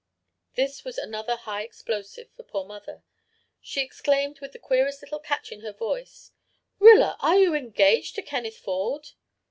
"This was another high explosive for poor mother. She exclaimed, with the queerest little catch in her voice, 'Rilla, are you engaged to Kenneth Ford?'